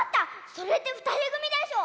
それってふたりぐみでしょ。